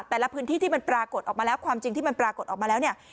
แต่ละพื้นที่ที่มันปรากฏออกมาแล้วความจริงที่มันปรากฏออกมาแล้วเนี่ย